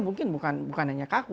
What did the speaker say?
mungkin bukan hanya kaku